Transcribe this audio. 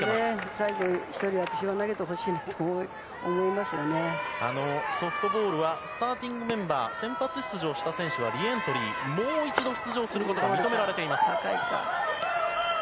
最後の１人に私も投げてほしいとソフトボールはスターティングメンバー先発出場した選手はリエントリーもう一度出場することが認められています。